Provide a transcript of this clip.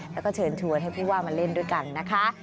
แล้วก็เชิญชวนให้ผู้ว่ามาเล่นด้วยกันนะคะ